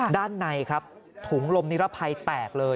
ด้านในครับถุงลมนิรภัยแตกเลย